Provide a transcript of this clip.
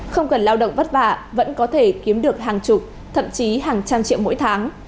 không cần lao động vất vả vẫn có thể kiếm được hàng chục thậm chí hàng trăm triệu mỗi tháng